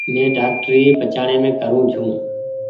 مين ڊآڪٽري پچآڻيم ڪرو ڇو۔